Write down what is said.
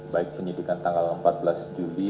baik penyidikan tanggal empat belas juli